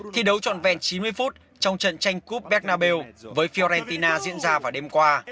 thi đấu trọn vẹn chín mươi phút trong trận tranh coupe bernabeu với fiorentina diễn ra vào đêm qua